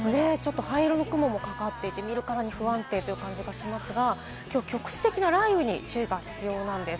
灰色の雲もかかっていて、見るからに不安定という感じがしますが、きょうは局地的な雷雨に注意が必要なんです。